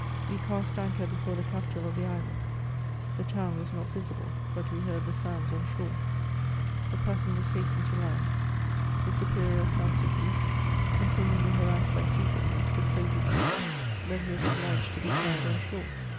We cast anchor before the capital of the island ; the town was not visible, but we heard the sounds on shore. The passengers hastened to land; the Superior of St. Sulpice, continually ha 246 MEMOIRS OF rassed by sea sickness, was so weak, that he was obliged to be carried on shore.